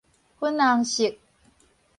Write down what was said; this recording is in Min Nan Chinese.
粉紅色